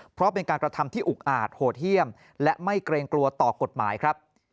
เพราะเป็นการกระทำที่อุกอาจโหดเยี่ยมและไม่เกรงกลัวต่อกฎหมายครับ